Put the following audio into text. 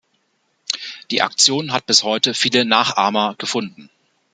Die Aktion hat bis heute viele Nachahmer gefunden.